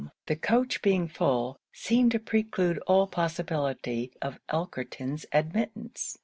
The coach being full, seemed to preclude all possibility of Elkerton's admittance.